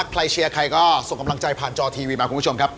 เชียร์ใครก็ส่งกำลังใจผ่านจอทีวีมาคุณผู้ชมครับ